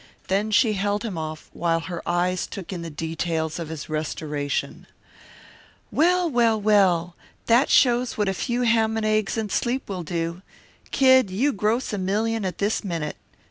Then she held him off while her eyes took in the details of his restoration. "Well, well, well! That shows what a few ham and eggs and sleep will do. Kid, you gross a million at this minute.